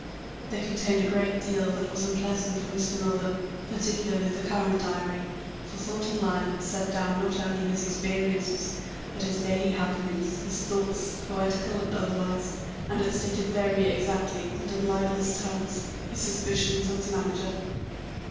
They contained a great deal that was unpleasant for Mr. Milburgh, particularly the current diary, for Thornton Lyne had set down not only his experiences, but his daily happenings, his thoughts, poetical and otherwise, and had stated very exactly and in libellous terms his suspicions of his manager.